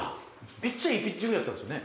めっちゃいいピッチングやったですよね？